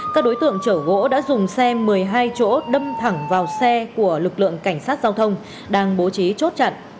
các đối tượng chở gỗ đã dùng xe một mươi hai chỗ đâm thẳng vào xe của lực lượng cảnh sát giao thông đang bố trí chốt chặn